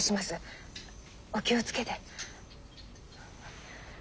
お気を付けて。